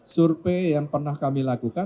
survei yang pernah kami lakukan